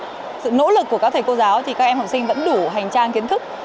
và sự nỗ lực của các thầy cô giáo thì các em học sinh vẫn đủ hành trang kiến thức